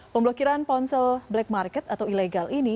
pemblokiran ponsel black market atau ilegal ini